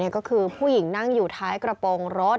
ก็คือผู้หญิงนั่งอยู่ท้ายกระโปรงรถ